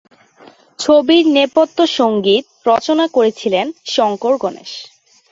ছবির নেপথ্য সঙ্গীত রচনা করেছিলেন শঙ্কর গণেশ।